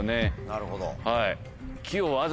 なるほど。